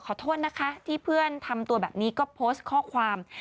ขอโทษนะคะที่เพื่อนทำตัวแบบนี้ก็โพสต์ข้อความ